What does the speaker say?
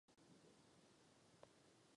Budou si rovni ve všech ohledech.